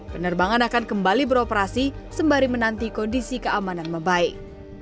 penerbangan akan kembali beroperasi sembari menanti kondisi keamanan membaik